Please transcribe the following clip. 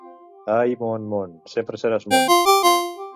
Ai, món, món! Sempre seràs món!